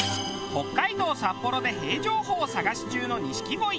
北海道札幌でへぇ情報を探し中の錦鯉。